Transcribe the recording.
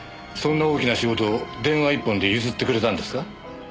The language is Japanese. そんな大きな仕事を電話一本で譲ってくれたんですか？